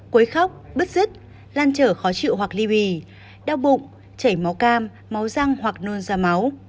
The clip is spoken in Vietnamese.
cuối khóc bứt rứt lan trở khó chịu hoặc ly bì đau bụng chảy máu cam máu răng hoặc nôn ra máu